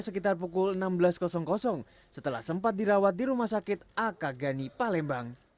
sekitar pukul enam belas setelah sempat dirawat di rumah sakit akagani palembang